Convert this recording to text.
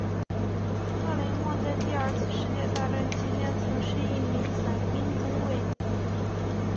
克雷默在第二次世界大战期间曾是一名伞兵中尉。